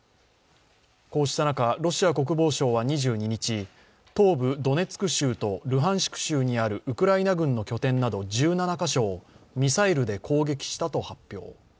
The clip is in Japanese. こうした中、ロシア国防省は２２日、東部ドネツク州とルハンシク州にあるウクライナ軍の拠点など１７カ所をミサイルで攻撃したと発表。